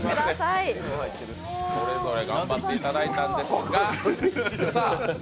それぞれ頑張っていただいたんですが。